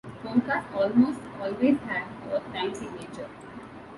Polkas almost always have a time signature.